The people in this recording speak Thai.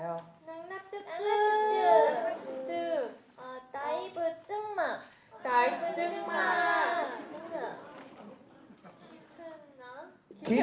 ตรงนี้